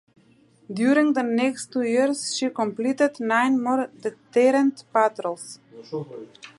During the next two years she completed nine more deterrent patrols.